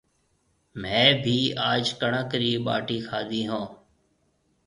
ميه بي آج ڪڻڪ رِي ٻاٽِي کادِي هون